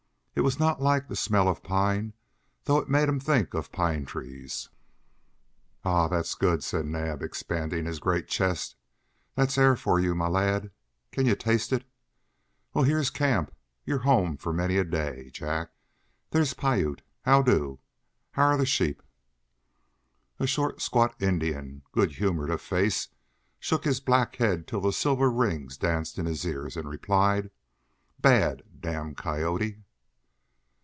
It was not like the smell of pine, though it made him think of pine trees. "Ha! that's good!" said Naab, expanding his great chest. "That's air for you, my lad. Can you taste it? Well, here's camp, your home for many a day, Jack. There's Piute how do? how're the sheep?" A short, squat Indian, good humored of face, shook his black head till the silver rings danced in his ears, and replied: "Bad damn coyotee!"